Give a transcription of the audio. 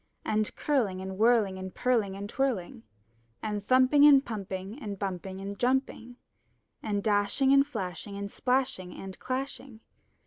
And curling and whirling and purling and twirling. And thumping and plumping and bumping and jumping. And dashing and flashing and splashing and clashing.